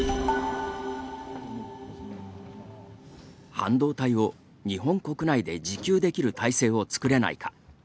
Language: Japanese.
半導体を日本国内で自給できる体制をつくれないか。